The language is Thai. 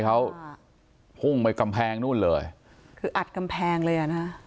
เขาพุ่งไปกำแพงนู่นเลยคืออัดกำแพงเลยอ่ะนะ